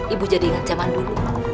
ibu jadi ingat zaman dulu